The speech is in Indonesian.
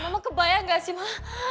mama kebayang gak sih ma